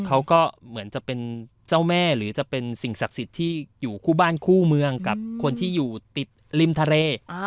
เขาก็เหมือนจะเป็นเจ้าแม่หรือจะเป็นสิ่งศักดิ์สิทธิ์ที่อยู่คู่บ้านคู่เมืองกับคนที่อยู่ติดริมทะเล